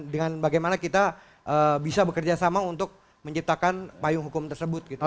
dengan bagaimana kita bisa bekerja sama untuk menciptakan payung hukum tersebut gitu